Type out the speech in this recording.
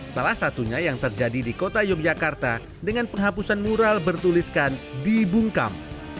salah satunya yang terjadi di kota yogyakarta dengan penghapusan mural bertuliskan dibungkam